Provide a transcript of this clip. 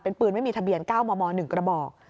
เป็นปืนไม่มีทะเบียน๙มม๑กระบอก